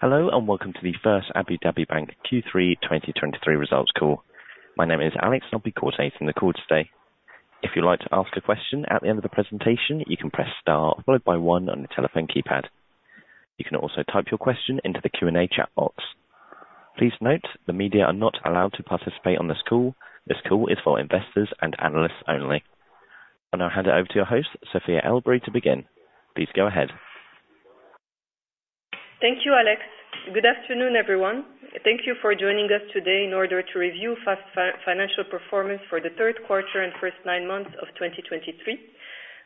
Hello, and welcome to the First Abu Dhabi Bank Q3 2023 results call. My name is Alex Nobby, coordinating the call today. If you'd like to ask a question at the end of the presentation, you can press star followed by one on your telephone keypad. You can also type your question into the Q&A chat box. Please note, the media are not allowed to participate on this call. This call is for investors and analysts only. I'll now hand it over to your host, Sofia El Boury, to begin. Please go ahead. Thank you, Alex. Good afternoon, everyone. Thank you for joining us today in order to review FAB's financial performance for the third quarter and first nine months of 2023.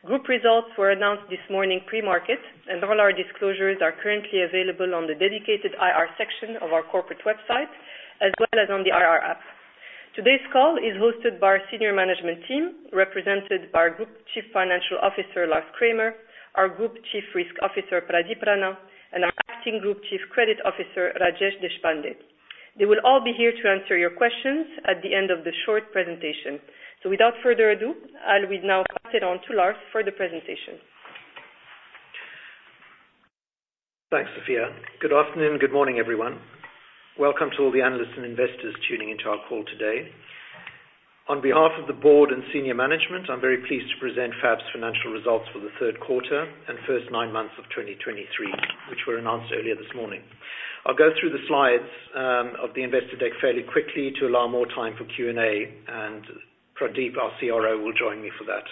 Group results were announced this morning, pre-market, and all our disclosures are currently available on the dedicated IR section of our corporate website, as well as on the IR App. Today's call is hosted by our senior management team, represented by our Group Chief Financial Officer, Lars Kramer, our Group Chief Risk Officer, Pradeep Rana, and our acting Group Chief Credit Officer, Rajesh Deshpande. They will all be here to answer your questions at the end of the short presentation. So without further ado, I'll now pass it on to Lars for the presentation. Thanks, Sofia. Good afternoon, good morning, everyone. Welcome to all the analysts and investors tuning into our call today. On behalf of the board and senior management, I'm very pleased to present FAB's financial results for the third quarter and first nine months of 2023, which were announced earlier this morning. I'll go through the slides of the investor deck fairly quickly to allow more time for Q&A, and Pradeep, our CRO, will join me for that.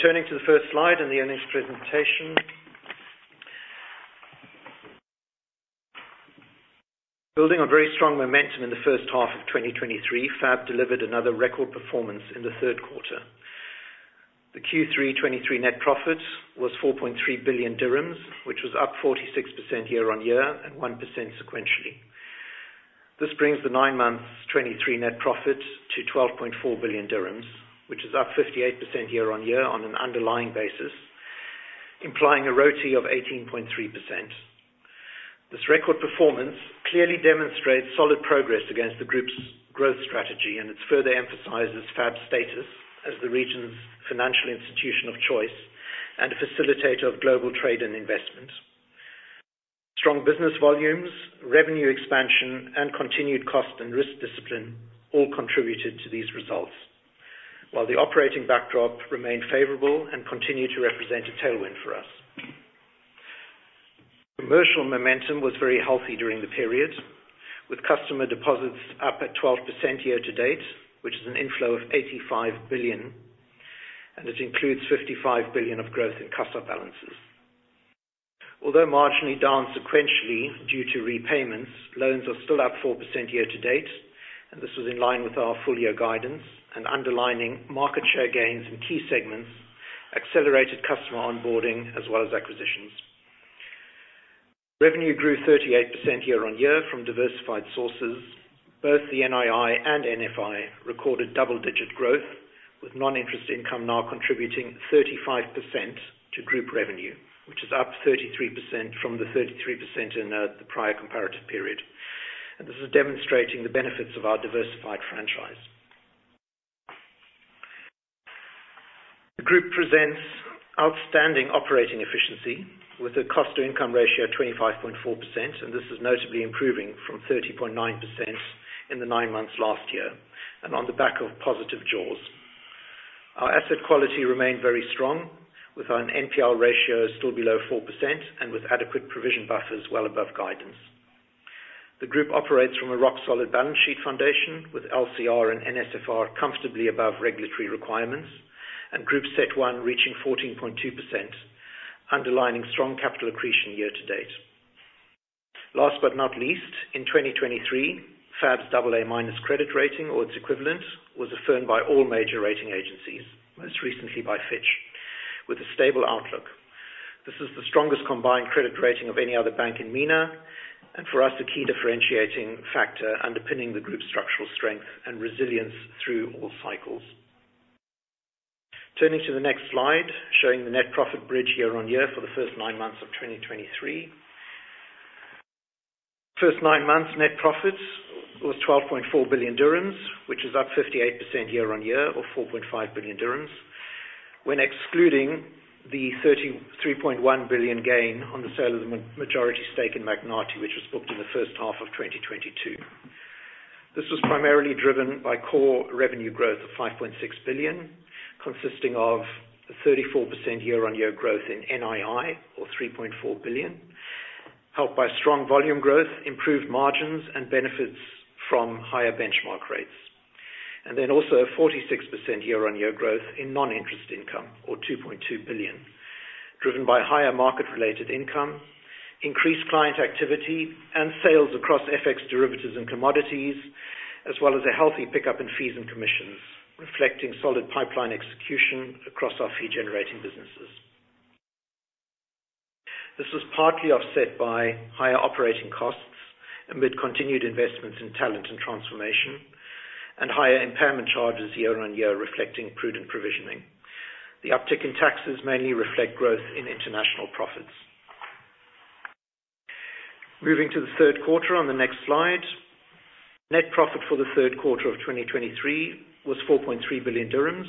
Turning to the first slide and the earnings presentation. Building on very strong momentum in the first half of 2023, FAB delivered another record performance in the third quarter. The Q3 2023 net profit was 4.3 billion dirhams, which was up 46% year-on-year and 1% sequentially. This brings the nine months 2023 net profit to 12.4 billion dirhams, which is up 58% year-on-year on an underlying basis, implying a ROTE of 18.3%. This record performance clearly demonstrates solid progress against the group's growth strategy, and it further emphasizes FAB's status as the region's financial institution of choice and a facilitator of global trade and investment. Strong business volumes, revenue expansion, and continued cost and risk discipline all contributed to these results, while the operating backdrop remained favorable and continued to represent a tailwind for us. Commercial momentum was very healthy during the period, with customer deposits up 12% year-to-date, which is an inflow of 85 billion, and it includes 55 billion of growth in customer balances. Although marginally down sequentially due to repayments, loans are still up 4% year to date, and this was in line with our full year guidance and underlining market share gains in key segments, accelerated customer onboarding, as well as acquisitions. Revenue grew 38% year-on-year from diversified sources. Both the NII and NFI recorded double-digit growth, with non-interest income now contributing 35% to group revenue, which is up 33% from the 33% in the prior comparative period. This is demonstrating the benefits of our diversified franchise. The group presents outstanding operating efficiency with a cost-to-income ratio of 25.4%, and this is notably improving from 30.9% in the nine months last year, and on the back of positive jaws. Our asset quality remained very strong, with our NPL ratio still below 4% and with adequate provision buffers well above guidance. The group operates from a rock-solid balance sheet foundation with LCR and NSFR comfortably above regulatory requirements, and Group CET1 reaching 14.2%, underlining strong capital accretion year to date. Last but not least, in 2023, FAB's AA- credit rating, or its equivalent, was affirmed by all major rating agencies, most recently by Fitch, with a stable outlook. This is the strongest combined credit rating of any other bank in MENA, and for us, the key differentiating factor underpinning the group's structural strength and resilience through all cycles. Turning to the next slide, showing the net profit bridge year-on-year for the first nine months of 2023. First nine months, net profit was 12.4 billion dirhams, which is up 58% year-on-year, or 4.5 billion dirhams, when excluding the 33.1 billion gain on the sale of the majority stake in Magnati, which was booked in the first half of 2022. This was primarily driven by core revenue growth of 5.6 billion, consisting of 34% year-on-year growth in NII, or 3.4 billion, helped by strong volume growth, improved margins, and benefits from higher benchmark rates. And then also a 46% year-on-year growth in non-interest income, or 2.2 billion, driven by higher market-related income, increased client activity, and sales across FX derivatives and commodities, as well as a healthy pickup in fees and commissions, reflecting solid pipeline execution across our fee-generating businesses. This was partly offset by higher operating costs amid continued investments in talent and transformation and higher impairment charges year-on-year, reflecting prudent provisioning. The uptick in taxes mainly reflect growth in international profits. Moving to the third quarter on the next slide.... Net profit for the third quarter of 2023 was 4.3 billion dirhams,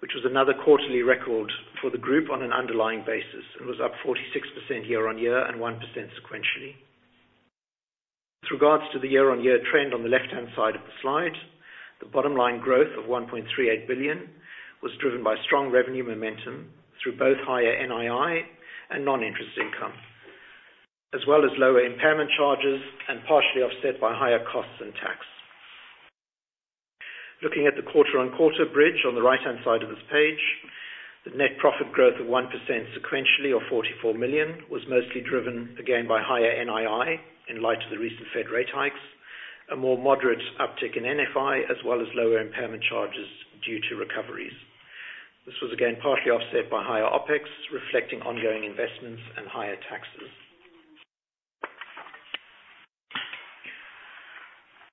which was another quarterly record for the group on an underlying basis, and was up 46% year-on-year and 1% sequentially. With regards to the year-on-year trend on the left-hand side of the slide, the bottom line growth of 1.38 billion was driven by strong revenue momentum through both higher NII and non-interest income, as well as lower impairment charges and partially offset by higher costs and tax. Looking at the quarter-on-quarter bridge on the right-hand side of this page, the net profit growth of 1% sequentially, or 44 million, was mostly driven again by higher NII in light of the recent Fed rate hikes, a more moderate uptick in NFI, as well as lower impairment charges due to recoveries. This was again partly offset by higher OpEx, reflecting ongoing investments and higher taxes.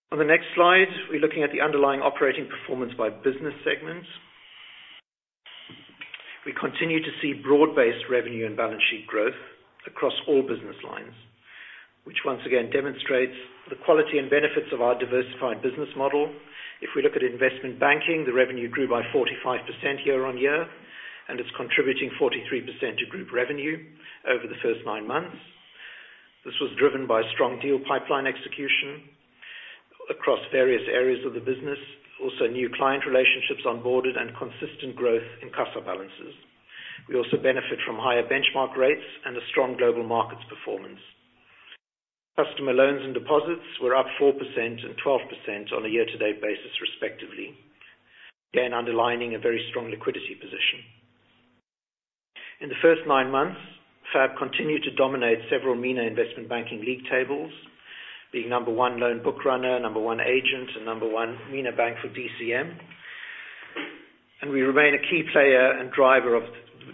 On the next slide, we're looking at the underlying operating performance by business segments. We continue to see broad-based revenue and balance sheet growth across all business lines, which once again demonstrates the quality and benefits of our diversified business model. If we look at investment banking, the revenue grew by 45% year-on-year, and it's contributing 43% to group revenue over the first nine months. This was driven by strong deal pipeline execution across various areas of the business, also new client relationships onboarded, and consistent growth in CASA balances. We also benefit from higher benchmark rates and a strong global markets performance. Customer loans and deposits were up 4% and 12% on a year-to-date basis, respectively, again, underlining a very strong liquidity position. In the first nine months, FAB continued to dominate several MENA investment banking league tables, being number one loan book runner, number one agent, and number one MENA bank for DCM. And we remain a key player and driver of,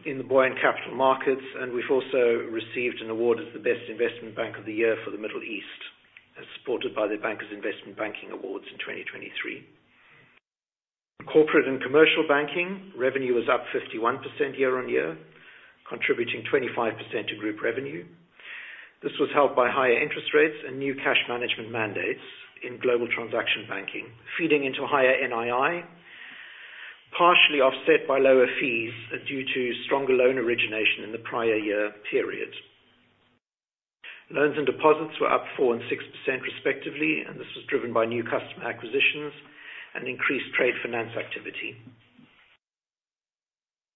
in the buoyant capital markets, and we've also received an award as the best investment bank of the year for the Middle East, as supported by The Banker's Investment Banking Awards in 2023. In corporate and commercial banking, revenue was up 51% year-on-year, contributing 25% to group revenue. This was helped by higher interest rates and new cash management mandates in global transaction banking, feeding into higher NII, partially offset by lower fees due to stronger loan origination in the prior year periods. Loans and deposits were up 4% and 6%, respectively, and this was driven by new customer acquisitions and increased trade finance activity.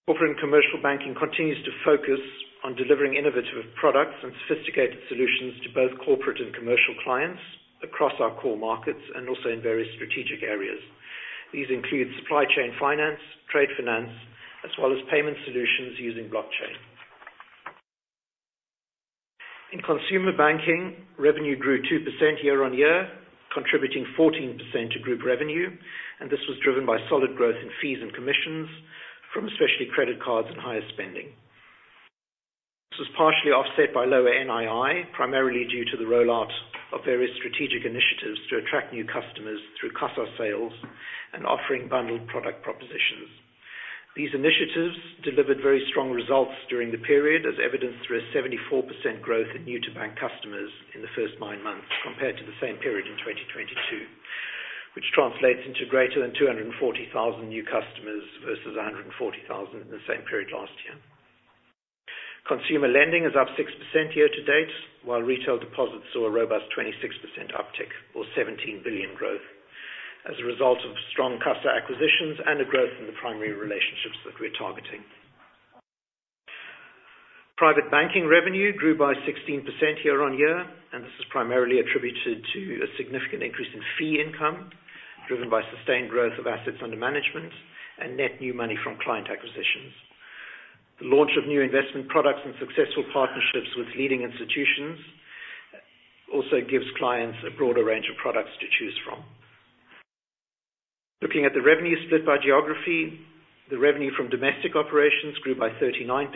Corporate and commercial banking continues to focus on delivering innovative products and sophisticated solutions to both corporate and commercial clients across our core markets and also in various strategic areas. These include supply chain finance, trade finance, as well as payment solutions using blockchain. In consumer banking, revenue grew 2% year-on-year, contributing 14% to group revenue, and this was driven by solid growth in fees and commissions from especially credit cards and higher spending. This was partially offset by lower NII, primarily due to the rollout of various strategic initiatives to attract new customers through CASA sales and offering bundled product propositions. These initiatives delivered very strong results during the period, as evidenced through a 74% growth in new-to-bank customers in the first nine months, compared to the same period in 2022, which translates into greater than 240,000 new customers versus 140,000 in the same period last year. Consumer lending is up 6% year-to-date, while retail deposits saw a robust 26% uptick, or 17 billion growth, as a result of strong CASA acquisitions and a growth in the primary relationships that we're targeting. Private banking revenue grew by 16% year-on-year, and this is primarily attributed to a significant increase in fee income, driven by sustained growth of assets under management and net new money from client acquisitions. The launch of new investment products and successful partnerships with leading institutions also gives clients a broader range of products to choose from. Looking at the revenue split by geography, the revenue from domestic operations grew by 39%,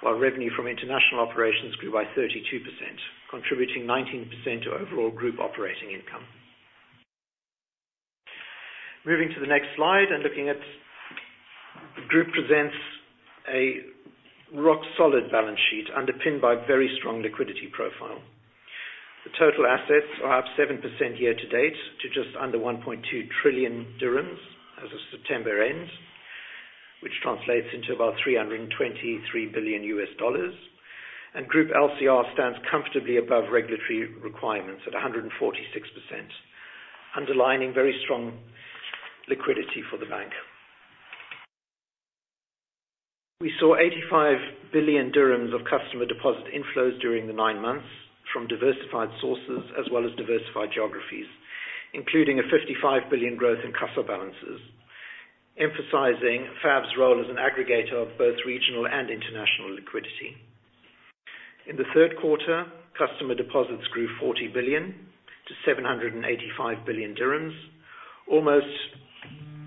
while revenue from international operations grew by 32%, contributing 19% to overall group operating income. Moving to the next slide and looking at the group presents a rock-solid balance sheet, underpinned by very strong liquidity profile. The total assets are up 7% year-to-date to just under 1.2 trillion dirhams as of September end, which translates into about $323 billion. Group LCR stands comfortably above regulatory requirements at 146%, underlining very strong liquidity for the bank. We saw 85 billion dirhams of customer deposit inflows during the nine months from diversified sources, as well as diversified geographies, including a 55 billion growth in CASA balances, emphasizing FAB's role as an aggregator of both regional and international liquidity. In the third quarter, customer deposits grew 40 billion to 785 billion dirhams, almost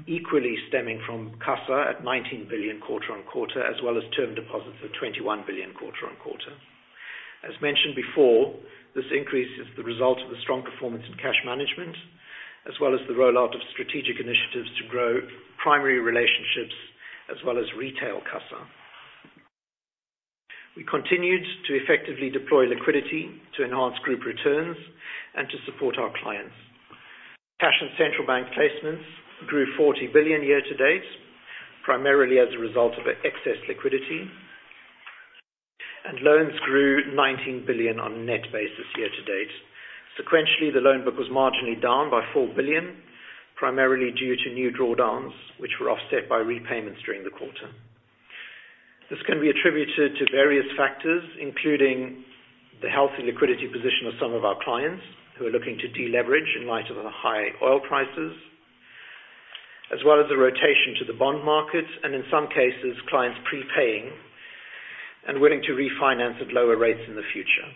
equally stemming from CASA at 19 billion quarter-on-quarter, as well as term deposits of 21 billion quarter-on-quarter. As mentioned before, this increase is the result of the strong performance in cash management, as well as the rollout of strategic initiatives to grow primary relationships as well as retail CASA. We continued to effectively deploy liquidity to enhance group returns and to support our clients. Cash and central bank placements grew 40 billion year to date, primarily as a result of excess liquidity, and loans grew 19 billion on a net basis year to date. Sequentially, the loan book was marginally down by 4 billion, primarily due to new drawdowns, which were offset by repayments during the quarter. This can be attributed to various factors, including the healthy liquidity position of some of our clients, who are looking to deleverage in light of the high oil prices, as well as the rotation to the bond markets, and in some cases, clients prepaying and willing to refinance at lower rates in the future.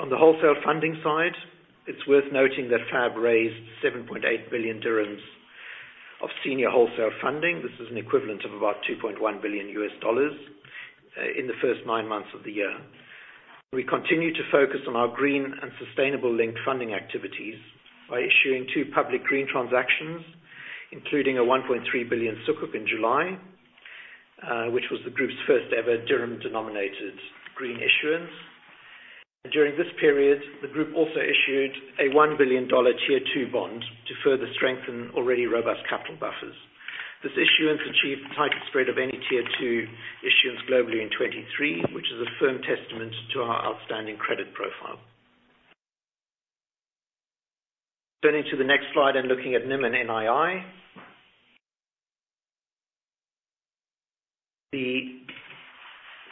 On the wholesale funding side, it's worth noting that FAB raised 7.8 billion dirhams of senior wholesale funding. This is an equivalent of about $2.1 billion in the first nine months of the year. We continue to focus on our green and sustainable linked funding activities by issuing two public green transactions, including a 1.3 billion Sukuk in July, which was the group's first ever dirham-denominated green issuance. During this period, the group also issued a $1 billion Tier 2 bond to further strengthen already robust capital buffers. This issuance achieved the tighter spread of any Tier 2 issuance globally in 2023, which is a firm testament to our outstanding credit profile. Turning to the next slide and looking at NIM and NII. The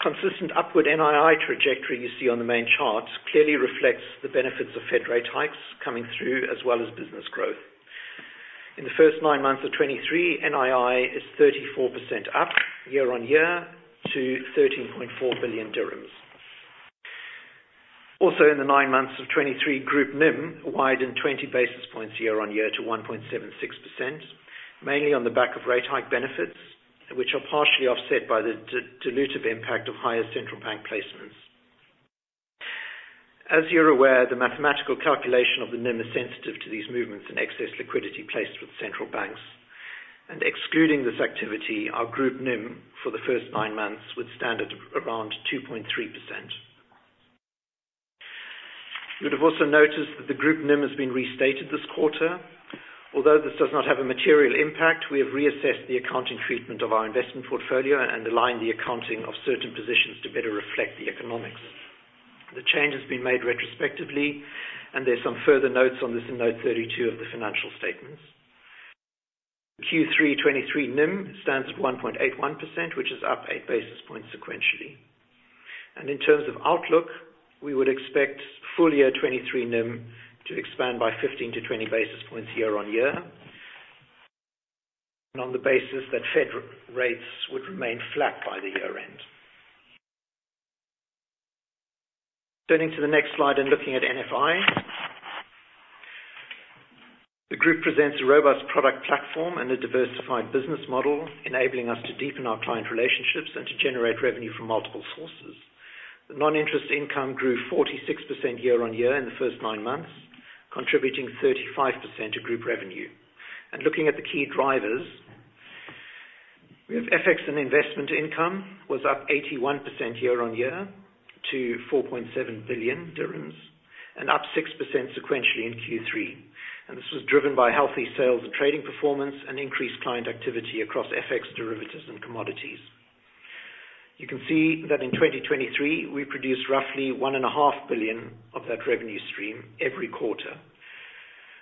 consistent upward NII trajectory you see on the main charts clearly reflects the benefits of Fed rate hikes coming through, as well as business growth. In the first nine months of 2023, NII is 34% up year-on-year to 13.4 billion dirhams. Also, in the nine months of 2023, group NIM widened 20 basis points year-on-year to 1.76%, mainly on the back of rate hike benefits, which are partially offset by the dilutive impact of higher central bank placements. As you're aware, the mathematical calculation of the NIM is sensitive to these movements in excess liquidity placed with central banks, and excluding this activity, our group NIM for the first nine months would stand at around 2.3%. You'd have also noticed that the group NIM has been restated this quarter. Although this does not have a material impact, we have reassessed the accounting treatment of our investment portfolio and aligned the accounting of certain positions to better reflect the economics. The change has been made retrospectively, and there's some further notes on this in Note 32 of the financial statements. Q3 2023 NIM stands at 1.81%, which is up 8 basis points sequentially. In terms of outlook, we would expect full year 2023 NIM to expand by 15-20 basis points year-on-year, and on the basis that Fed rates would remain flat by the year-end. Turning to the next slide and looking at NFI. The group presents a robust product platform and a diversified business model, enabling us to deepen our client relationships and to generate revenue from multiple sources. The non-interest income grew 46% year-on-year in the first nine months, contributing 35% to group revenue. And looking at the key drivers, we have FX and investment income was up 81% year-on-year to 4.7 billion dirhams, and up 6% sequentially in Q3. And this was driven by healthy sales and trading performance and increased client activity across FX derivatives and commodities. You can see that in 2023, we produced roughly 1.5 billion of that revenue stream every quarter,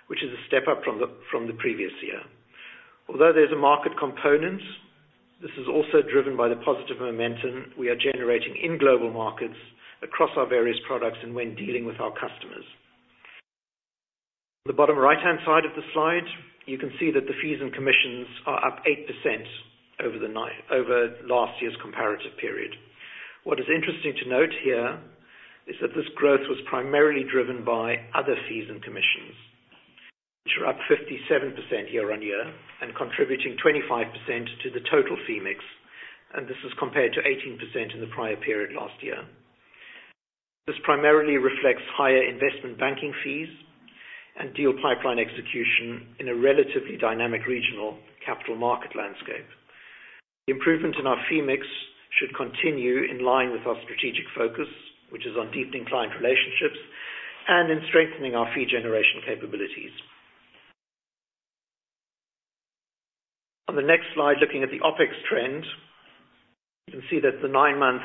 which is a step up from the previous year. Although there's a market component, this is also driven by the positive momentum we are generating in global markets across our various products and when dealing with our customers. The bottom right-hand side of the slide, you can see that the fees and commissions are up 8% over last year's comparative period. What is interesting to note here is that this growth was primarily driven by other fees and commissions, which are up 57% year-over-year and contributing 25% to the total fee mix, and this is compared to 18% in the prior period last year. This primarily reflects higher investment banking fees and deal pipeline execution in a relatively dynamic regional capital market landscape. The improvement in our fee mix should continue in line with our strategic focus, which is on deepening client relationships and in strengthening our fee generation capabilities. On the next slide, looking at the OpEx trend, you can see that the nine-month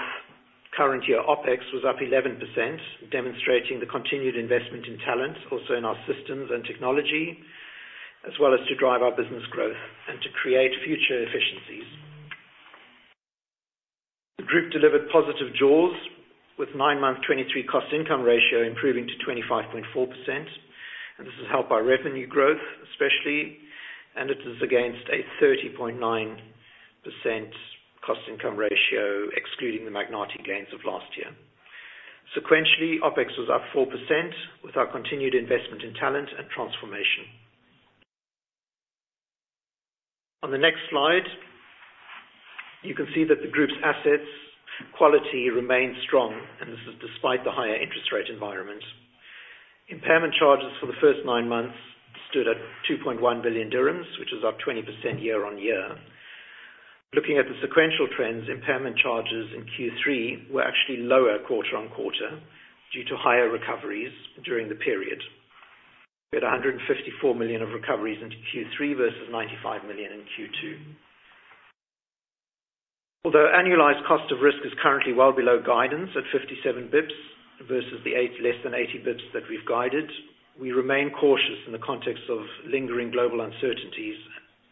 current year OpEx was up 11%, demonstrating the continued investment in talent, also in our systems and technology, as well as to drive our business growth and to create future efficiencies. The group delivered positive Jaws, with nine-month 2023 cost income ratio improving to 25.4%, and this is helped by revenue growth, especially, and it is against a 30.9% cost income ratio, excluding the Magnati gains of last year. Sequentially, OpEx was up 4% with our continued investment in talent and transformation. On the next slide, you can see that the group's asset quality remains strong, and this is despite the higher interest rate environment. Impairment charges for the first nine months stood at 2.1 billion dirhams, which is up 20% year-on-year. Looking at the sequential trends, impairment charges in Q3 were actually lower quarter-on-quarter due to higher recoveries during the period. We had 154 million of recoveries into Q3 versus 95 million in Q2. Although annualized cost of risk is currently well below guidance at 57 bps versus the 80, less than 80 bps that we've guided, we remain cautious in the context of lingering global uncertainties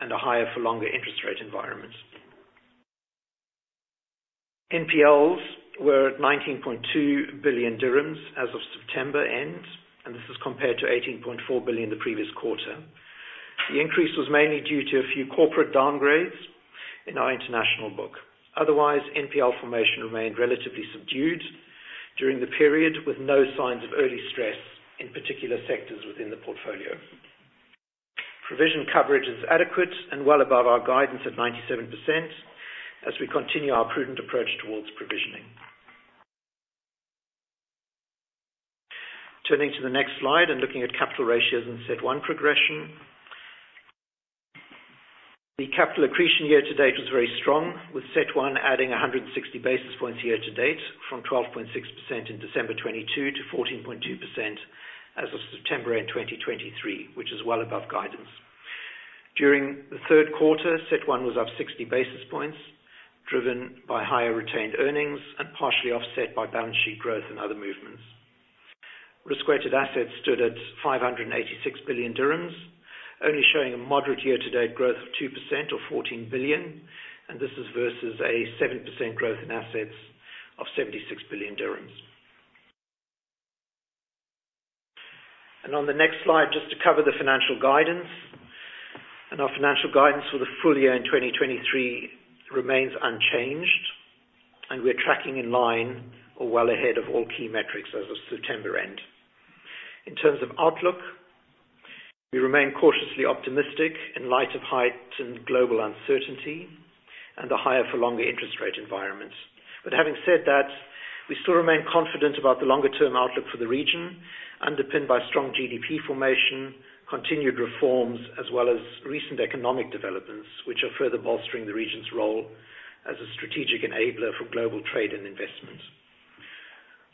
and a higher for longer interest rate environment. NPLs were at 19.2 billion dirhams as of September end, and this is compared to 18.4 billion the previous quarter. The increase was mainly due to a few corporate downgrades in our international book. Otherwise, NPL formation remained relatively subdued during the period, with no signs of early stress in particular sectors within the portfolio. Provision coverage is adequate and well above our guidance of 97% as we continue our prudent approach towards provisioning. Turning to the next slide and looking at capital ratios and CET1 progression. The capital accretion year to date was very strong, with CET1 adding 160 basis points year to date, from 12.6% in December 2022 to 14.2% as of September end, 2023, which is well above guidance. During the third quarter, CET1 was up 60 basis points, driven by higher retained earnings and partially offset by balance sheet growth and other movements. Risk-weighted assets stood at 586 billion dirhams, only showing a moderate year-to-date growth of 2% or 14 billion, and this is versus a 7% growth in assets of 76 billion dirhams. And on the next slide, just to cover the financial guidance, and our financial guidance for the full year in 2023 remains unchanged, and we're tracking in line or well ahead of all key metrics as of September end. In terms of outlook, we remain cautiously optimistic in light of heightened global uncertainty and a higher for longer interest rate environment. But having said that, we still remain confident about the longer-term outlook for the region, underpinned by strong GDP formation, continued reforms, as well as recent economic developments, which are further bolstering the region's role as a strategic enabler for global trade and investment.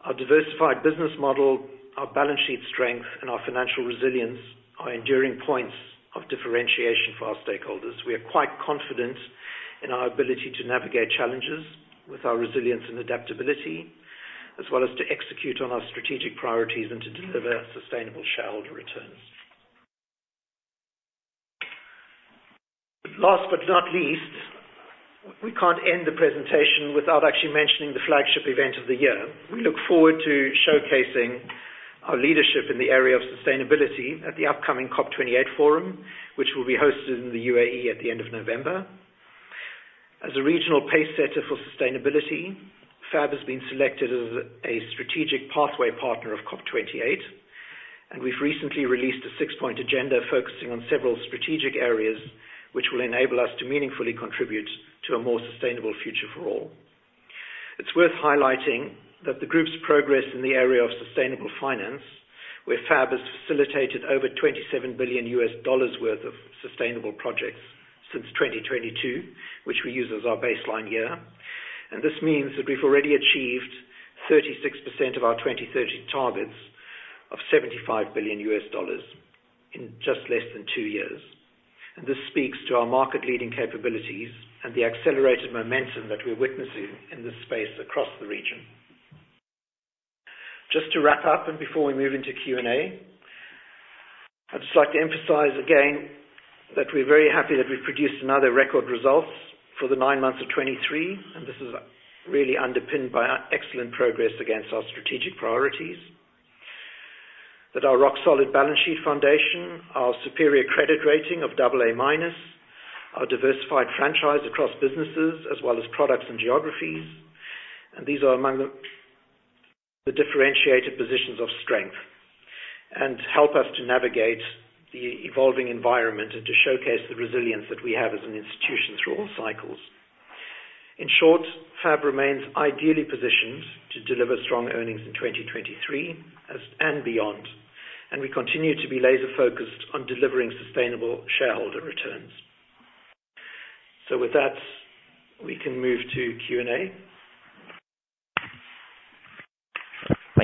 Our diversified business model, our balance sheet strength, and our financial resilience are enduring points of differentiation for our stakeholders. We are quite confident in our ability to navigate challenges with our resilience and adaptability, as well as to execute on our strategic priorities and to deliver sustainable shareholder returns. Last but not least, we can't end the presentation without actually mentioning the flagship event of the year. We look forward to showcasing our leadership in the area of sustainability at the upcoming COP28 forum, which will be hosted in the UAE at the end of November. As a regional pacesetter for sustainability, FAB has been selected as a strategic pathway partner of COP28, and we've recently released a six-point agenda focusing on several strategic areas, which will enable us to meaningfully contribute to a more sustainable future for all. It's worth highlighting that the group's progress in the area of sustainable finance, where FAB has facilitated over $27 billion worth of sustainable projects since 2022, which we use as our baseline year. This means that we've already achieved 36% of our 2030 targets of $75 billion in just less than two years. This speaks to our market-leading capabilities and the accelerated momentum that we're witnessing in this space across the region. Just to wrap up, and before we move into Q&A, I'd just like to emphasize again that we're very happy that we've produced another record results for the nine months of 2023, and this is really underpinned by our excellent progress against our strategic priorities. That our rock-solid balance sheet foundation, our superior credit rating of AA-, our diversified franchise across businesses as well as products and geographies, and these are among the differentiated positions of strength and help us to navigate the evolving environment and to showcase the resilience that we have as an institution through all cycles. In short, FAB remains ideally positioned to deliver strong earnings in 2023 and beyond, and we continue to be laser focused on delivering sustainable shareholder returns. So with that, we can move to Q&A.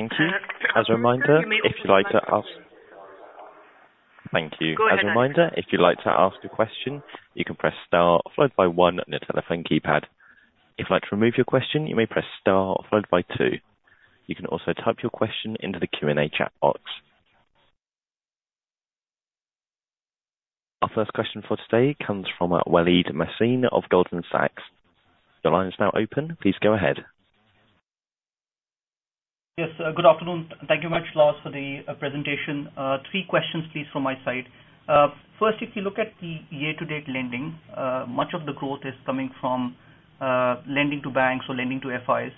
Thank you. As a reminder, if you'd like to ask- thank you. Go ahead. As a reminder, if you'd like to ask a question, you can press star followed by one on your telephone keypad. If you'd like to remove your question, you may press star followed by two. You can also type your question into the Q&A chat box. Our first question for today comes from Waleed Mohsin of Goldman Sachs. Your line is now open. Please go ahead. Yes, good afternoon. Thank you very much, Lars, for the presentation. Three questions, please, from my side. First, if you look at the year-to-date lending, much of the growth is coming from lending to banks or lending to FIs.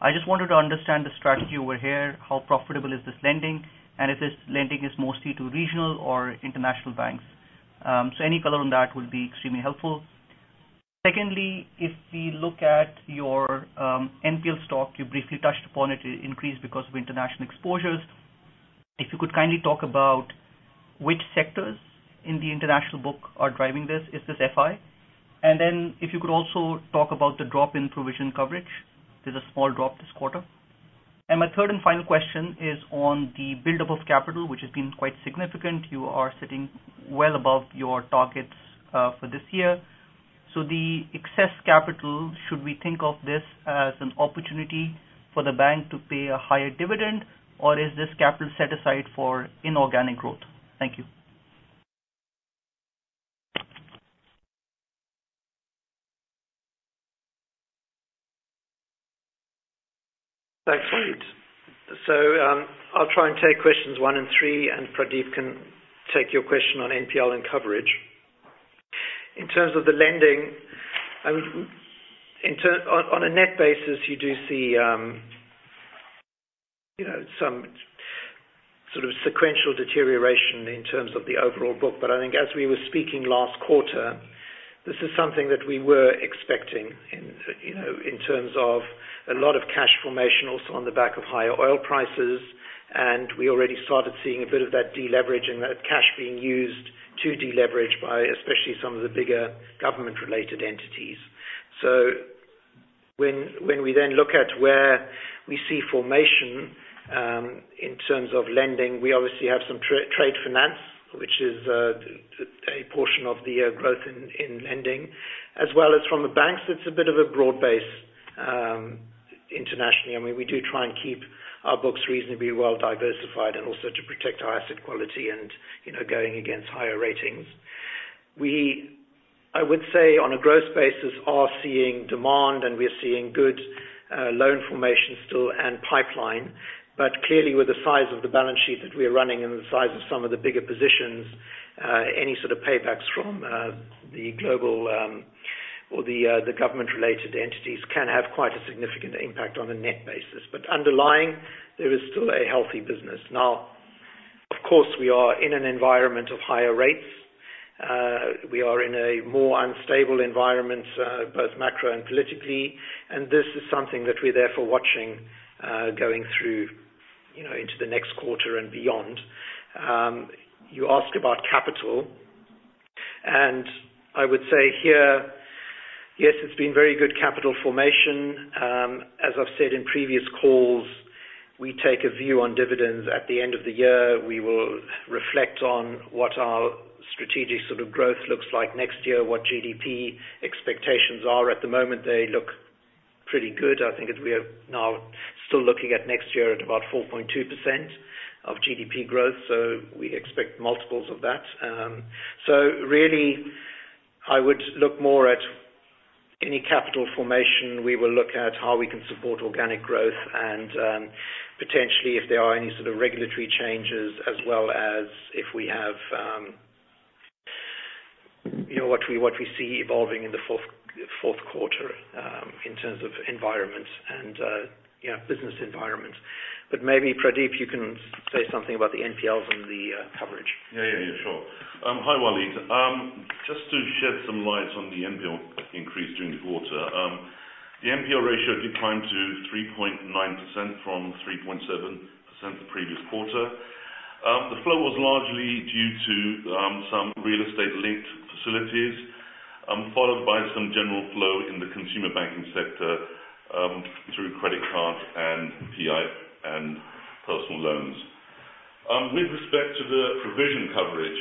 I just wanted to understand the strategy over here. How profitable is this lending, and if this lending is mostly to regional or international banks? So any color on that would be extremely helpful... Secondly, if we look at your NPL stock, you briefly touched upon it, it increased because of international exposures. If you could kindly talk about which sectors in the international book are driving this? Is this FI? And then if you could also talk about the drop in provision coverage, there's a small drop this quarter. My third and final question is on the buildup of capital, which has been quite significant. You are sitting well above your targets for this year. The excess capital, should we think of this as an opportunity for the bank to pay a higher dividend, or is this capital set aside for inorganic growth? Thank you. Thanks. So, I'll try and take questions one and three, and Pradeep can take your question on NPL and coverage. In terms of the lending, on a net basis, you do see, you know, some sort of sequential deterioration in terms of the overall book. But I think as we were speaking last quarter, this is something that we were expecting in, you know, in terms of a lot of cash formation also on the back of higher oil prices, and we already started seeing a bit of that deleveraging, that cash being used to deleverage by especially some of the bigger government-related entities. So when we then look at where we see formation in terms of lending, we obviously have some trade finance, which is a portion of the growth in lending, as well as from the banks. It's a bit of a broad base internationally. I mean, we do try and keep our books reasonably well diversified and also to protect our asset quality and, you know, going against higher ratings. We, I would say, on a growth basis, are seeing demand, and we are seeing good loan formation still and pipeline. But clearly, with the size of the balance sheet that we are running and the size of some of the bigger positions, any sort of paybacks from the global or the government-related entities can have quite a significant impact on a net basis. But underlying, there is still a healthy business. Now, of course, we are in an environment of higher rates. We are in a more unstable environment, both macro and politically, and this is something that we're therefore watching, going through, you know, into the next quarter and beyond. You ask about capital, and I would say here, yes, it's been very good capital formation. As I've said in previous calls, we take a view on dividends. At the end of the year, we will reflect on what our strategic sort of growth looks like next year, what GDP expectations are. At the moment, they look pretty good. I think as we are now still looking at next year at about 4.2% of GDP growth, so we expect multiples of that. So really, I would look more at any capital formation. We will look at how we can support organic growth and, potentially if there are any sort of regulatory changes, as well as if we have, you know, what we see evolving in the fourth quarter, in terms of environment and, you know, business environment. But maybe, Pradeep, you can say something about the NPLs and the coverage. Yeah, yeah, yeah. Sure. Hi, Waleed. Just to shed some light on the NPL increase during the quarter. The NPL ratio declined to 3.9% from 3.7% the previous quarter. The flow was largely due to some real estate-linked facilities, followed by some general flow in the consumer banking sector through credit cards and PL and personal loans. With respect to the provision coverage,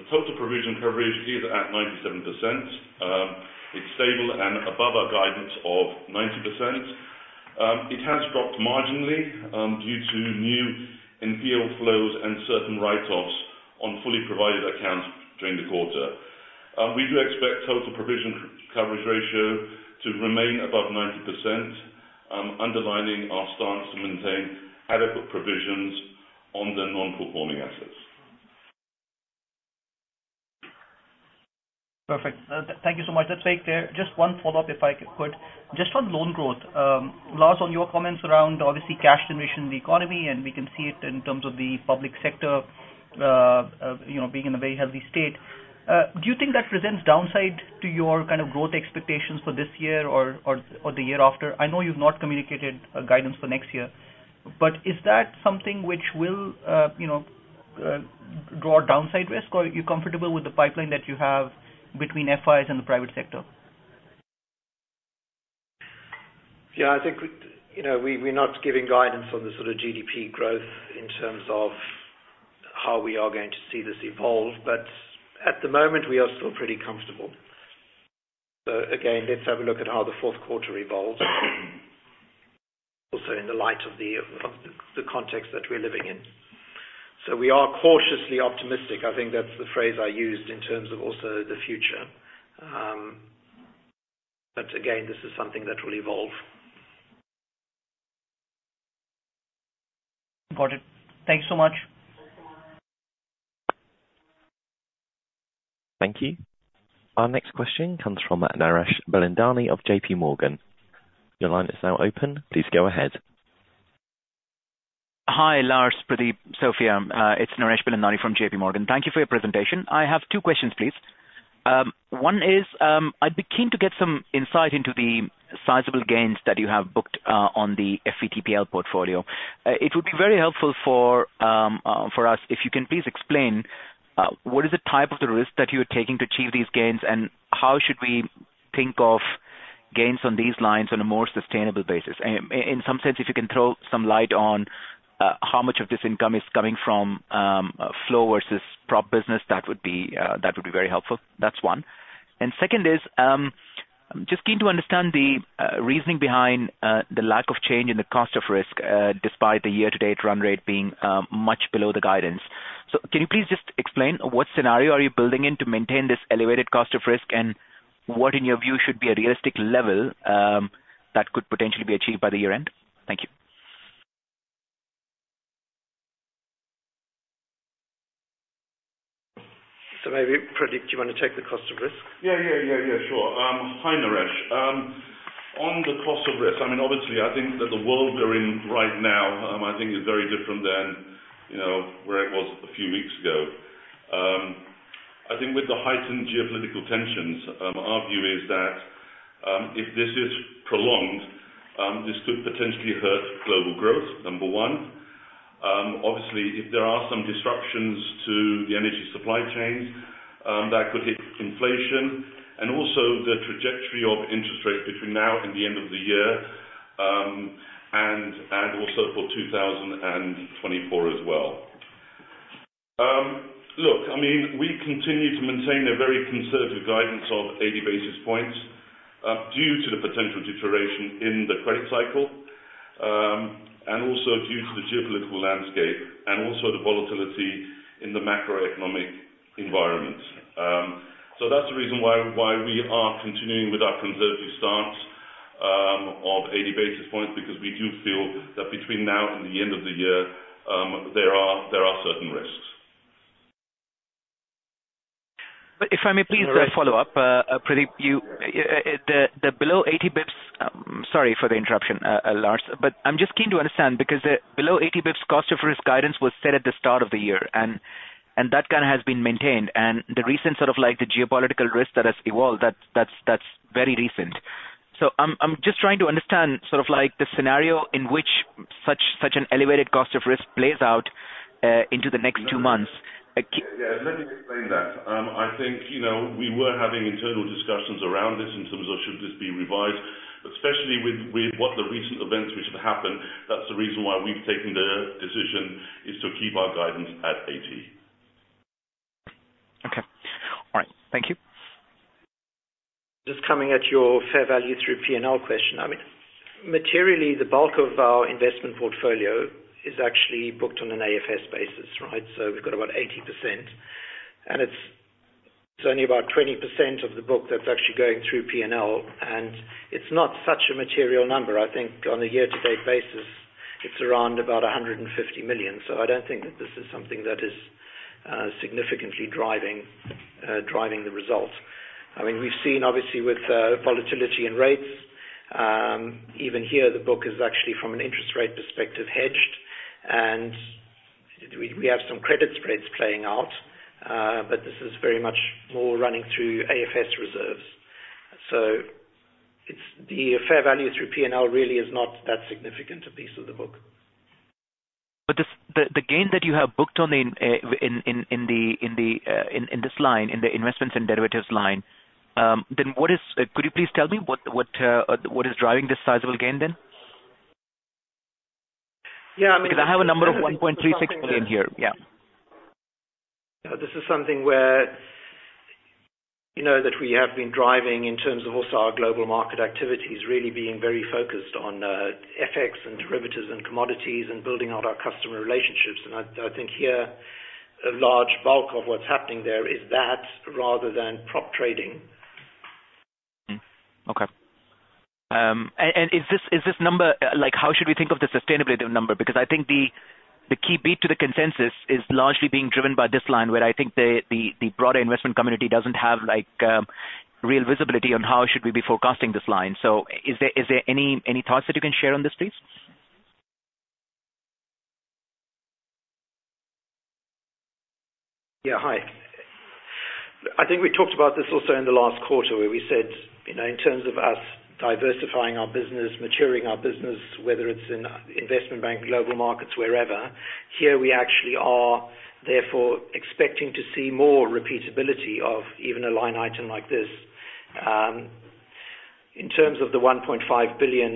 the total provision coverage is at 97%. It's stable and above our guidance of 90%. It has dropped marginally due to new NPL flows and certain write-offs on fully provided accounts during the quarter. We do expect total provision coverage ratio to remain above 90%, underlining our stance to maintain adequate provisions on the non-performing assets. Perfect. Thank you so much. That's very clear. Just one follow-up, if I could. Just on loan growth, Lars, on your comments around obviously cash generation in the economy, and we can see it in terms of the public sector, you know, being in a very healthy state. Do you think that presents downside to your kind of growth expectations for this year or the year after? I know you've not communicated a guidance for next year, but is that something which will, you know, draw downside risk, or are you comfortable with the pipeline that you have between FIs and the private sector? Yeah, I think we, you know, we, we're not giving guidance on the sort of GDP growth in terms of how we are going to see this evolve, but at the moment, we are still pretty comfortable. So again, let's have a look at how the fourth quarter evolves, also in the light of the context that we're living in. So we are cautiously optimistic. I think that's the phrase I used in terms of also the future. But again, this is something that will evolve. Got it. Thank you so much. Thank you. Our next question comes from Naresh Bilandani of JPMorgan. Your line is now open. Please go ahead.... Hi, Lars, Pradeep, Sofia. It's Naresh Bilandani from JPMorgan. Thank you for your presentation. I have two questions, please. One is, I'd be keen to get some insight into the sizable gains that you have booked on the FVTPL portfolio. It would be very helpful for us, if you can please explain what is the type of the risk that you are taking to achieve these gains, and how should we think of gains on these lines on a more sustainable basis? And in some sense, if you can throw some light on how much of this income is coming from flow versus prop business, that would be very helpful. That's one. And second is, just keen to understand the reasoning behind the lack of change in the cost of risk, despite the year-to-date run rate being much below the guidance. So can you please just explain what scenario are you building in to maintain this elevated cost of risk, and what, in your view, should be a realistic level that could potentially be achieved by the year end? Thank you. Maybe, Pradeep, do you want to take the cost of risk? Yeah, yeah, yeah, yeah, sure. Hi, Naresh. On the cost of risk, I mean, obviously, I think that the world we're in right now, I think is very different than, you know, where it was a few weeks ago. I think with the heightened geopolitical tensions, our view is that, if this is prolonged, this could potentially hurt global growth, number one. Obviously, if there are some disruptions to the energy supply chains, that could hit inflation, and also the trajectory of interest rates between now and the end of the year, and, and also for 2024 as well. Look, I mean, we continue to maintain a very conservative guidance of 80 basis points due to the potential deterioration in the credit cycle, and also due to the geopolitical landscape and also the volatility in the macroeconomic environment. So that's the reason why we are continuing with our conservative stance of 80 basis points, because we do feel that between now and the end of the year, there are certain risks. But if I may please, follow up, Pradeep, the below 80 bps... Sorry for the interruption, Lars, but I'm just keen to understand, because the below 80 bps cost of risk guidance was set at the start of the year, and that kind of has been maintained. And the recent sort of like the geopolitical risk that has evolved, that's very recent. So I'm just trying to understand sort of like the scenario in which such an elevated cost of risk plays out into the next two months. Yeah. Let me explain that. I think, you know, we were having internal discussions around this in terms of should this be revised, especially with, with what the recent events which have happened, that's the reason why we've taken the decision, is to keep our guidance at 80. Okay. All right. Thank you. Just coming at your fair value through P&L question. I mean, materially, the bulk of our investment portfolio is actually booked on an AFS basis, right? So we've got about 80%, and it's only about 20% of the book that's actually going through P&L, and it's not such a material number. I think on a year-to-date basis, it's around about 150 million. So I don't think that this is something that is significantly driving the results. I mean, we've seen obviously with volatility in rates, even here, the book is actually, from an interest rate perspective, hedged. And we have some credit spreads playing out, but this is very much more running through AFS reserves. So it's the fair value through P&L really is not that significant a piece of the book. But the gain that you have booked in the investments and derivatives line, then what is driving this sizable gain? Could you please tell me what is driving this sizable gain then? Yeah. Because I have a number of 1.36 billion here. Yeah. You know, this is something where, you know, that we have been driving in terms of also our global market activities, really being very focused on FX and derivatives and commodities and building out our customer relationships. And I think here, a large bulk of what's happening there is that rather than prop trading. Okay. And is this, is this number—like, how should we think of the sustainability of number? Because I think the key beat to the consensus is largely being driven by this line, where I think the broader investment community doesn't have, like, real visibility on how should we be forecasting this line. So is there any thoughts that you can share on this, please? Yeah. Hi. I think we talked about this also in the last quarter, where we said, you know, in terms of us diversifying our business, maturing our business, whether it's in investment bank, global markets, wherever, here we actually are, therefore, expecting to see more repeatability of even a line item like this. In terms of the 1.5 billion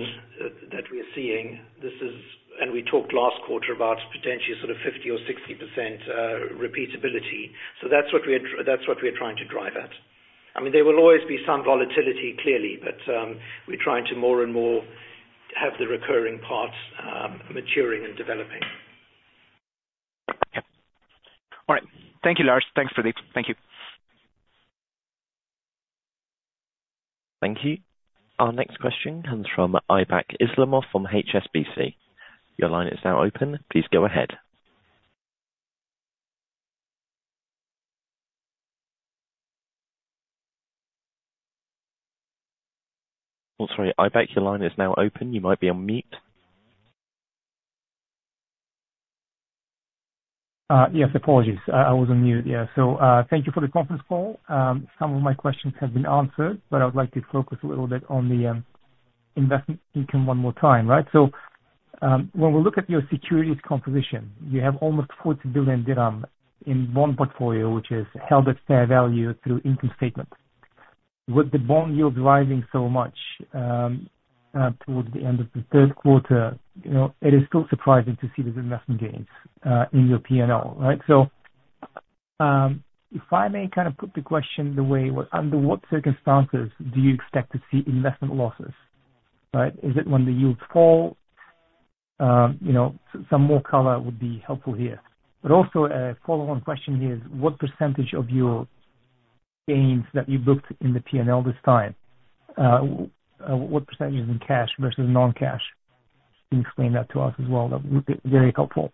that we're seeing, this is-- and we talked last quarter about potentially sort of 50% or 60% repeatability. So that's what we're, that's what we're trying to drive at. I mean, there will always be some volatility, clearly, but, we're trying to more and more have the recurring parts, maturing and developing. Yep. All right. Thank you, Lars. Thanks, Pradeep. Thank you. Thank you. Our next question comes from Aybek Islamov from HSBC. Your line is now open. Please go ahead.... Oh, sorry, Aybek, your line is now open. You might be on mute. Yes, apologies. I was on mute. Yeah. So, thank you for the conference call. Some of my questions have been answered, but I would like to focus a little bit on the investment income one more time, right? So, when we look at your securities composition, you have almost 40 billion dirham in bond portfolio, which is held at fair value through income statement. With the bond yield rising so much, towards the end of the third quarter, you know, it is still surprising to see the investment gains in your P&L, right? So, if I may kind of put the question the way, well, under what circumstances do you expect to see investment losses, right? Is it when the yields fall? You know, some more color would be helpful here. But also, a follow-on question here is, what percentage of your gains that you booked in the P&L this time, what percentage is in cash versus non-cash? Can you explain that to us as well? That would be very helpful.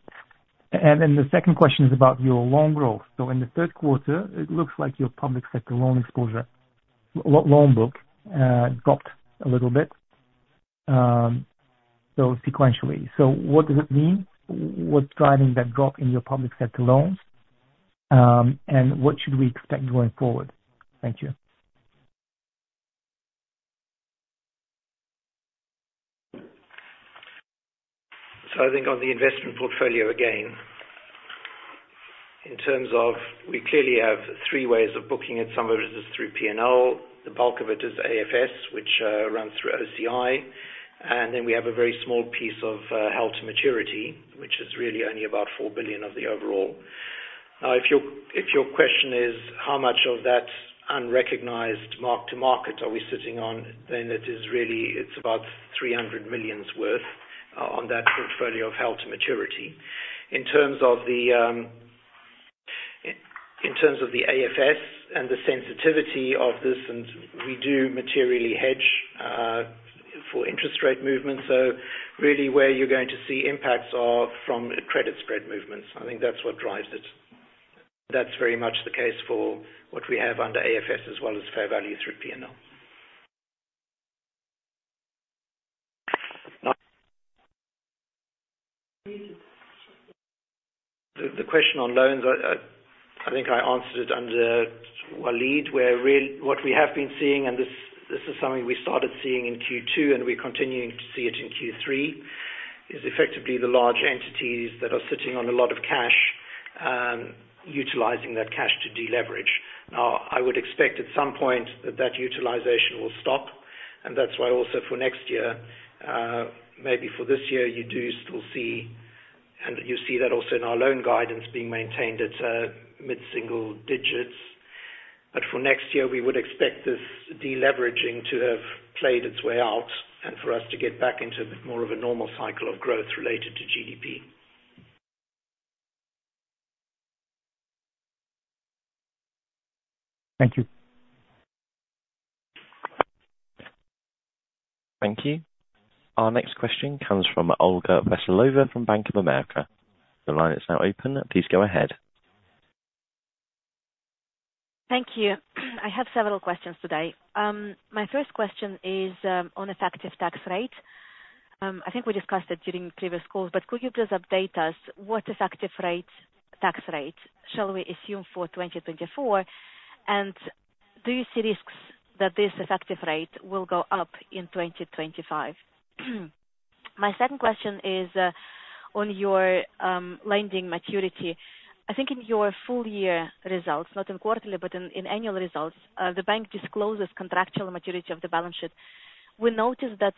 And then the second question is about your loan growth. So in the third quarter, it looks like your public sector loan exposure, loan book, dropped a little bit, so sequentially. So what does it mean? What's driving that drop in your public sector loans, and what should we expect going forward? Thank you. So I think on the investment portfolio, again, in terms of we clearly have three ways of booking it. Some of it is through P&L, the bulk of it is AFS, which runs through OCI, and then we have a very small piece of held to maturity, which is really only about 4 billion of the overall. Now, if your question is, how much of that unrecognized mark to market are we sitting on? Then it is really, it's about 300 million worth on that portfolio of held to maturity. In terms of the AFS and the sensitivity of this, and we do materially hedge for interest rate movements. So really where you're going to see impacts are from credit spread movements. I think that's what drives it. That's very much the case for what we have under AFS as well as fair value through P&L. The question on loans, I think I answered it under Waleed, where really what we have been seeing, and this is something we started seeing in Q2, and we're continuing to see it in Q3, is effectively the large entities that are sitting on a lot of cash, utilizing that cash to deleverage. Now, I would expect at some point that utilization will stop, and that's why also for next year, maybe for this year, you do still see, and you see that also in our loan guidance being maintained at mid-single digits. But for next year, we would expect this deleveraging to have played its way out and for us to get back into more of a normal cycle of growth related to GDP. Thank you. Thank you. Our next question comes from Olga Veselova from Bank of America. The line is now open. Please go ahead. Thank you. I have several questions today. My first question is on effective tax rate. I think we discussed it during previous calls, but could you please update us, what effective rate, tax rate shall we assume for 2024? And do you see risks that this effective rate will go up in 2025? My second question is on your lending maturity. I think in your full year results, not in quarterly, but in annual results, the bank discloses contractual maturity of the balance sheet. We noticed that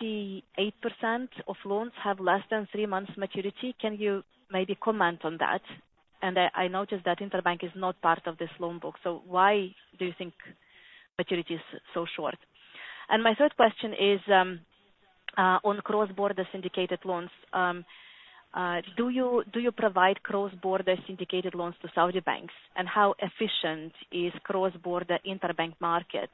68% of loans have less than three months maturity. Can you maybe comment on that? And I noticed that Interbank is not part of this loan book, so why do you think maturity is so short? And my third question is on cross-border syndicated loans. Do you provide cross-border syndicated loans to Saudi banks? How efficient is cross-border interbank markets?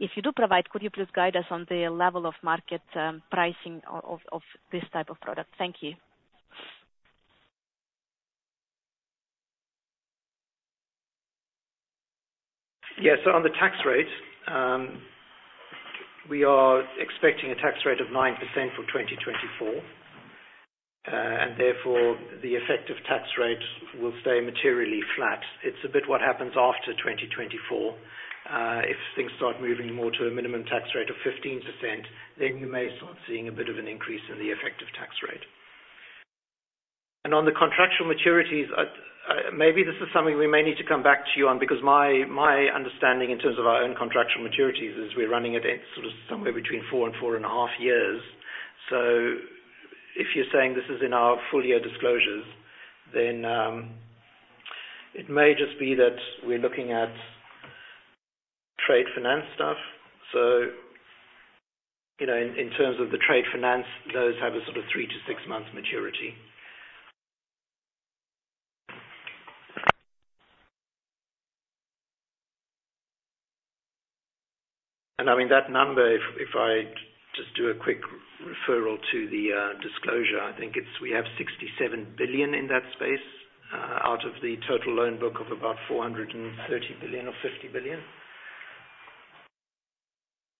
If you do provide, could you please guide us on the level of market pricing of this type of product? Thank you. Yes. So on the tax rate, we are expecting a tax rate of 9% for 2024, and therefore the effective tax rate will stay materially flat. It's a bit what happens after 2024. If things start moving more to a minimum tax rate of 15%, then you may start seeing a bit of an increase in the effective tax rate. And on the contractual maturities, maybe this is something we may need to come back to you on, because my understanding in terms of our own contractual maturities is we're running at a sort of somewhere between four and four and half years. So if you're saying this is in our full year disclosures, then, it may just be that we're looking at trade finance stuff. So, you know, in terms of the trade finance, those have a sort of three to six month maturity. And I mean, that number, if I just do a quick reference to the disclosure, I think it's we have 67 billion in that space, out of the total loan book of about 430 billion or 50 billion.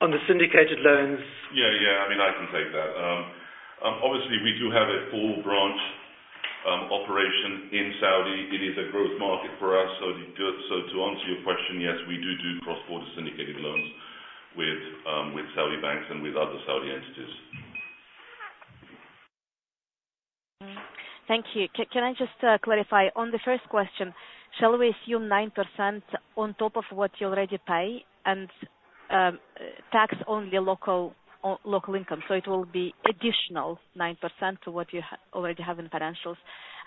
On the syndicated loans- Yeah, yeah, I mean, I can take that. Obviously, we do have a full branch operation in Saudi. It is a growth market for us, so to answer your question, yes, we do do cross-border syndicated loans with Saudi banks and with other Saudi entities. Thank you. Can I just clarify, on the first question, shall we assume 9% on top of what you already pay, and tax only local, on local income, so it will be additional 9% to what you already have in financials?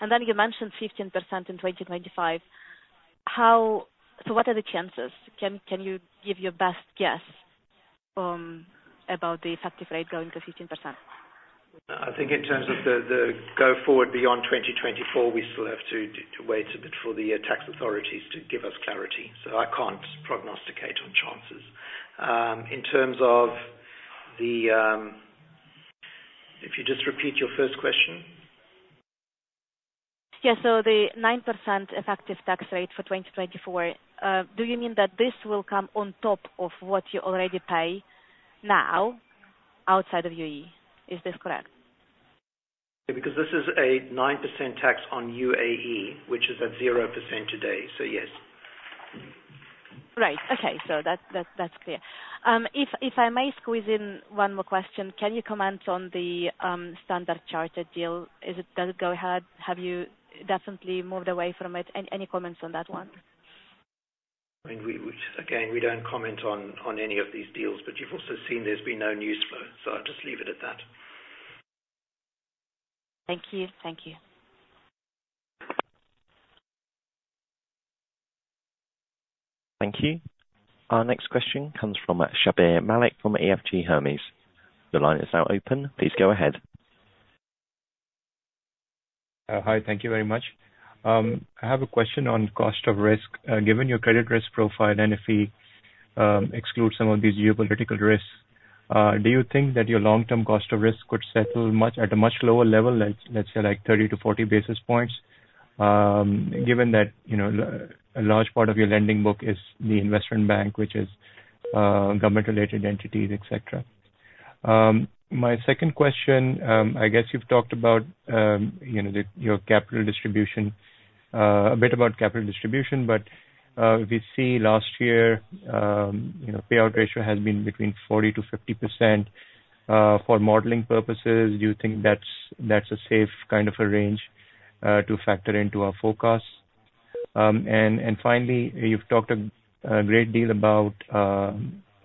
And then you mentioned 15% in 2025. How so what are the chances? Can you give your best guess about the effective rate going to 15%? I think in terms of the go forward beyond 2024, we still have to wait a bit for the tax authorities to give us clarity, so I can't prognosticate on chances. In terms of if you just repeat your first question. Yeah. So the 9% effective tax rate for 2024, do you mean that this will come on top of what you already pay now outside of UAE? Is this correct? Because this is a 9% tax on UAE, which is at 0% today, so yes. Right. Okay, so that's clear. If I may squeeze in one more question, can you comment on the Standard Chartered deal? Is it—does it go ahead? Have you definitely moved away from it? Any comments on that one? I mean, we again don't comment on any of these deals, but you've also seen there's been no news flow, so I'll just leave it at that. Thank you. Thank you. Thank you. Our next question comes from Shabbir Malik from EFG Hermes. Your line is now open. Please go ahead. Hi, thank you very much. I have a question on cost of risk. Given your credit risk profile, and if we exclude some of these geopolitical risks, do you think that your long-term cost of risk could settle much, at a much lower level, let's say, like 30-40 basis points, given that, you know, a large part of your lending book is the investment bank, which is government-related entities, et cetera? My second question, I guess you've talked about, you know, the, your capital distribution, a bit about capital distribution, but, we see last year, you know, payout ratio has been between 40%-50%. For modeling purposes, do you think that's a safe kind of a range to factor into our forecast? Finally, you've talked a great deal about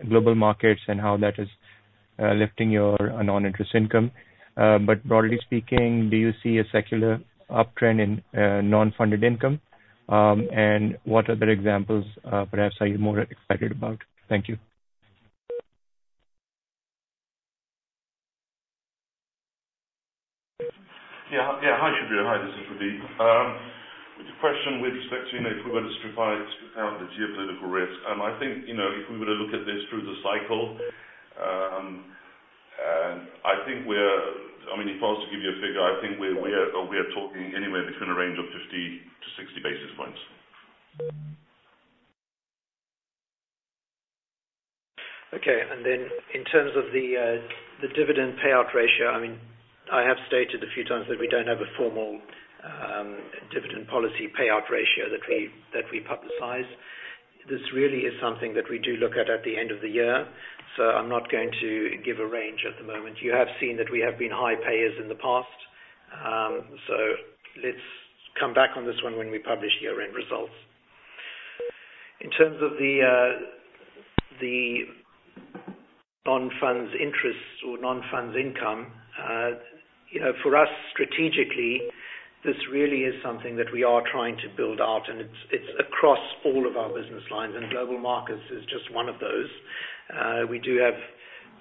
global markets and how that is lifting your non-interest income. But broadly speaking, do you see a secular uptrend in non-funded income? And what other examples, perhaps, are you more excited about? Thank you. Yeah. Yeah. Hi, Shabbir. Hi, this is Pradeep. With your question with respect to, you know, equivalent strip five to account the geopolitical risk, I think, you know, if we were to look at this through the cycle, and I think we're. I mean, if I was to give you a figure, I think we, we are, we are talking anywhere between a range of 50-60 basis points. Okay. And then in terms of the, the dividend payout ratio, I mean, I have stated a few times that we don't have a formal, dividend policy payout ratio that we, that we publicize. This really is something that we do look at at the end of the year, so I'm not going to give a range at the moment. You have seen that we have been high payers in the past, so let's come back on this one when we publish year-end results. In terms of the, the non-funded income, you know, for us strategically, this really is something that we are trying to build out, and it's, it's across all of our business lines, and global markets is just one of those. We do have,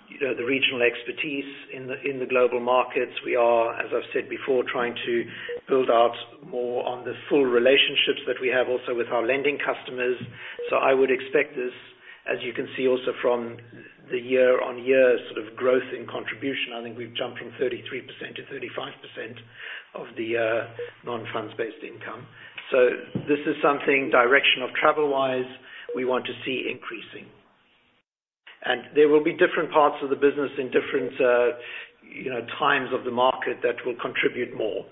you know, the regional expertise in the, in the global markets. We are, as I've said before, trying to build out more on the full relationships that we have also with our lending customers. So I would expect this, as you can see also from the year-on-year sort of growth in contribution. I think we've jumped from 33% to 35% of the non-funded income. So this is something direction of travel-wise, we want to see increasing. And there will be different parts of the business in different, you know, times of the market that will contribute more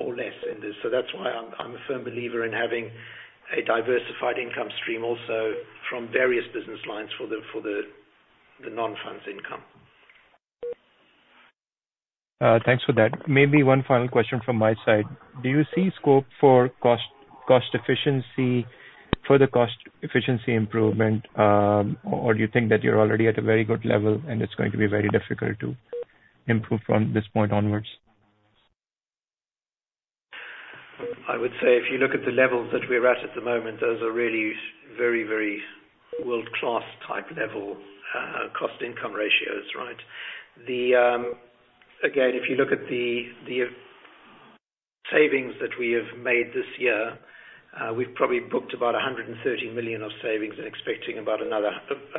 or less in this. So that's why I'm a firm believer in having a diversified income stream also from various business lines for the non-funded income. Thanks for that. Maybe one final question from my side: Do you see scope for cost, cost efficiency, further cost efficiency improvement, or do you think that you're already at a very good level, and it's going to be very difficult to improve from this point onwards? I would say if you look at the levels that we're at at the moment, those are really very, very world-class type level cost-to-income ratios, right? The, again, if you look at the savings that we have made this year. We've probably booked about 130 million of savings and expecting about another 160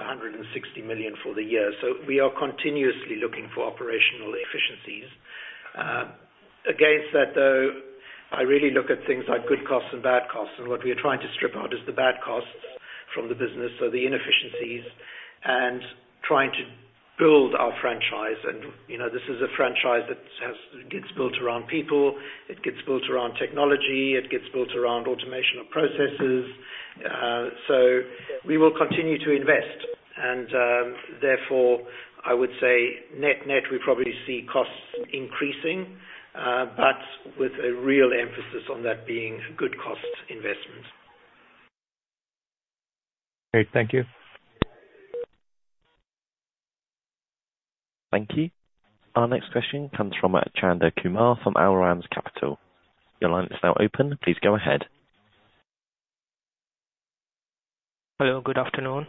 million for the year. So we are continuously looking for operational efficiencies. Against that, though, I really look at things like good costs and bad costs, and what we are trying to strip out is the bad costs from the business, so the inefficiencies, and trying to build our franchise. And, you know, this is a franchise that has gets built around people, it gets built around technology, it gets built around automation of processes. We will continue to invest, and therefore, I would say net-net, we probably see costs increasing, but with a real emphasis on that being good cost investments. Great, thank you. Thank you. Our next question comes from Chanda Kumar from Al Ramz Capital. Your line is now open. Please go ahead. Hello, good afternoon.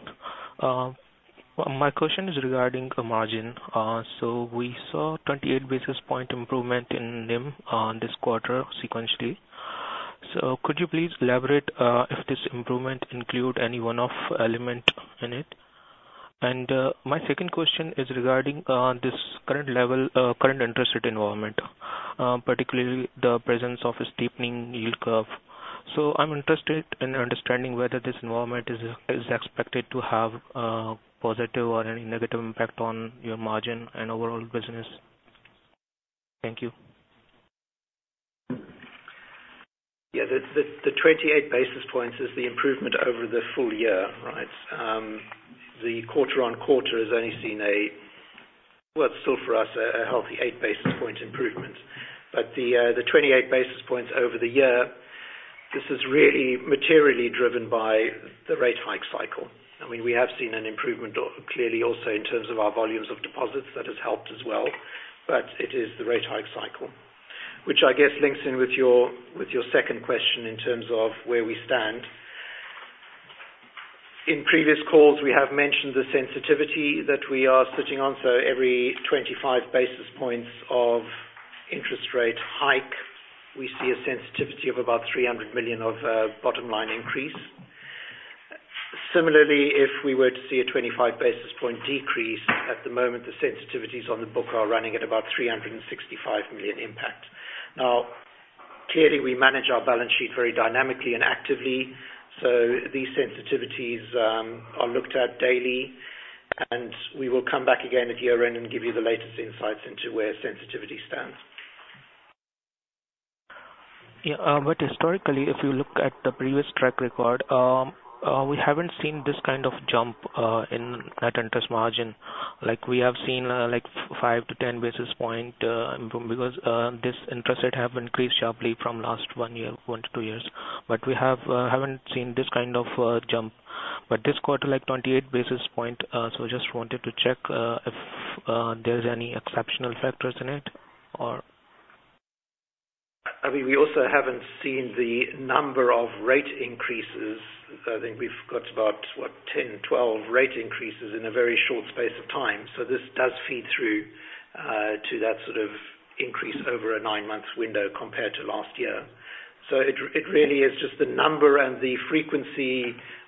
My question is regarding the margin. So we saw 28 basis point improvement in NIM on this quarter sequentially. So could you please elaborate if this improvement include any one-off element in it? And, my second question is regarding this current level, current interest rate environment, particularly the presence of a steepening yield curve. So I'm interested in understanding whether this environment is expected to have positive or any negative impact on your margin and overall business. Thank you. Yeah, the 28 basis points is the improvement over the full year, right? The quarter-on-quarter has only seen a... Well, it's still, for us, a healthy 8 basis point improvement. But the 28 basis points over the year, this is really materially driven by the rate hike cycle. I mean, we have seen an improvement clearly also in terms of our volumes of deposits. That has helped as well. But it is the rate hike cycle, which I guess links in with your, with your second question in terms of where we stand. In previous calls, we have mentioned the sensitivity that we are sitting on. So every 25 basis points of interest rate hike, we see a sensitivity of about 300 million bottom line increase. Similarly, if we were to see a 25 basis point decrease, at the moment, the sensitivities on the book are running at about 365 million impact. Now, clearly, we manage our balance sheet very dynamically and actively, so these sensitivities are looked at daily, and we will come back again at year-end and give you the latest insights into where sensitivity stands. Yeah, but historically, if you look at the previous track record, we haven't seen this kind of jump in net interest margin. Like, we have seen like 5-10 basis points because this interest rate have increased sharply from last one year, one to two years. But we haven't seen this kind of jump, but this quarter, like 28 basis points. So just wanted to check if there's any exceptional factors in it or? I mean, we also haven't seen the number of rate increases. I think we've got about, what, 10, 12 rate increases in a very short space of time. So this does feed through to that sort of increase over a nine-month window compared to last year. So it really is just the number and the frequency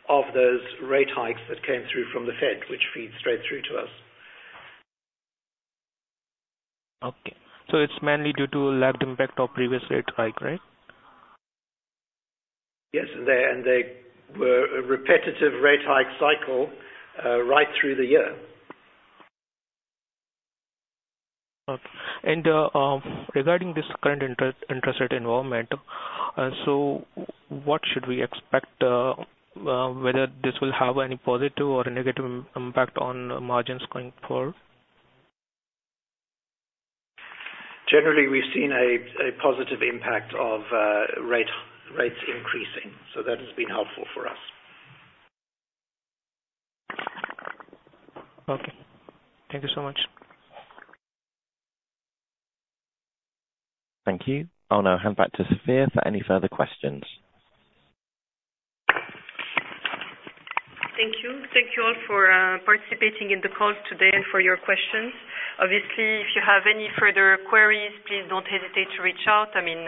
of those rate hikes that came through from the Fed, which feeds straight through to us. Okay. So it's mainly due to lagged impact of previous rate hike, right? Yes, and they were a repetitive rate hike cycle right through the year. Okay. And, regarding this current interest rate environment, so what should we expect, whether this will have any positive or a negative impact on margins going forward? Generally, we've seen a positive impact of rates increasing, so that has been helpful for us. Okay. Thank you so much. Thank you. I'll now hand back to Sofia for any further questions. Thank you. Thank you all for participating in the call today and for your questions. Obviously, if you have any further queries, please don't hesitate to reach out. I mean,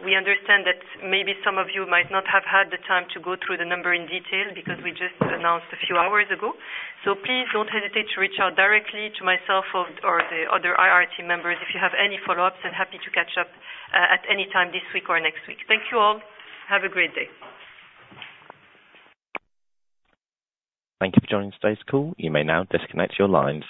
we understand that maybe some of you might not have had the time to go through the number in detail because we just announced a few hours ago. So please don't hesitate to reach out directly to myself or the other IR team members if you have any follow-ups. I'm happy to catch up at any time this week or next week. Thank you all. Have a great day. Thank you for joining today's call. You may now disconnect your lines.